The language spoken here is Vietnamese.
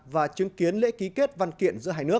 và chứng kiến lễ ký kết văn kiện giữa hai nước